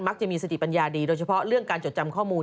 จะมีสติปัญญาดีโดยเฉพาะเรื่องการจดจำข้อมูล